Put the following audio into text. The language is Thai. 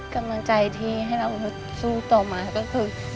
กำลังใจที่ให้เราสู้ต่อมาก็คือ